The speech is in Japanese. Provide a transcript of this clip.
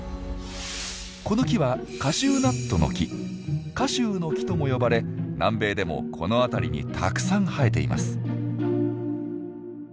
この木はカシューノキとも呼ばれ南米でもこの辺りにたくさん生えています。